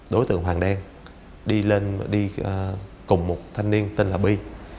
đối tượng hoàng đen đi cùng một thanh niên tên là bi